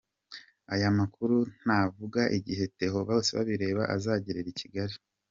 Aya makuru ntavuga igihe Theo Bosebabireba azagerera i Kigali.